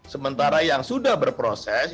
sementara yang sudah berproses